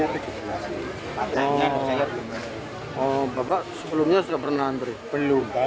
dari jam lima pagi sudah